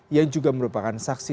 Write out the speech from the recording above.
yang juga merupakan saksi